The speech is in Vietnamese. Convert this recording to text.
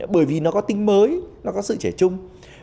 bởi vì nó có tính mới nó có sự trẻ chung